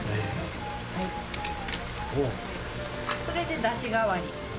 それでだし代わり